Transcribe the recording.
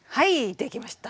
できました。